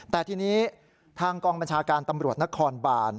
แต่ทีนี้ทางกองบัญชาการตำรวจนครบาน